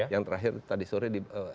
yang terakhir tadi sore